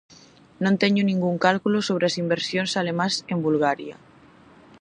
Non teño ningún cálculo sobre as inversións alemás en Bulgaria.